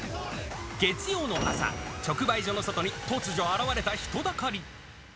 月曜の朝、直売所の外に突如現れた人だかり。